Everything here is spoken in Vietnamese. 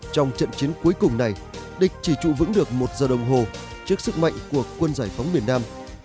trong trận chiến cuối cùng này địch chỉ trụ vững được một giờ đồng hồ trước sức mạnh của quân giải phóng miền nam